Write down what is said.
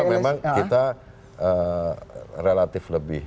karena memang kita relatif lebih